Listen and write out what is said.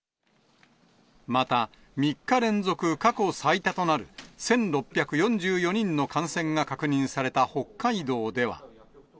また、３日連続過去最多となる１６４４人の感染が確認された北海道では。